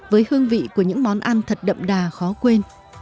với hương vị của những món ăn thật đậm đà khó quên